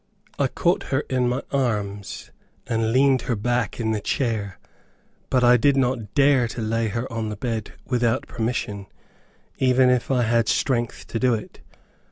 I caught her in my arms, and leaned her back in the chair, but I did not dare to lay her on the bed, without permission, even if I had strength to do it.